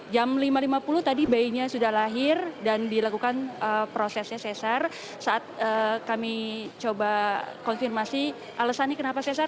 jam lima lima puluh tadi bayinya sudah lahir dan dilakukan prosesnya sesar saat kami coba konfirmasi alasannya kenapa sesar